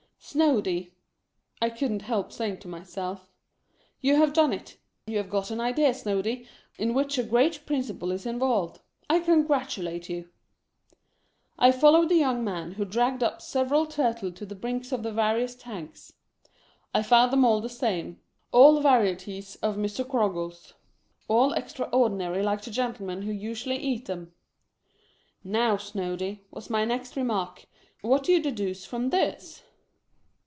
"Snoady,"! couldn't help saying to myself, "you have done it. You have got an idea, Snoady, in which a great principle is involved. I congratulate you!" I followed the young man, who dragged up several Turtle to the brinks of the various tanks. I found them all the same — all varie ties of Mr. Groggles — all extraordinarily like the gentle men who usually eat them. "Now, Snoady," was my next remark, "what do you deduce from this?"